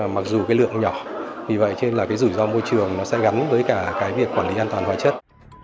mặc dù cái lượng nhỏ vì vậy cho nên là cái rủi ro môi trường nó sẽ gắn với cả cái việc quản lý an toàn hóa chất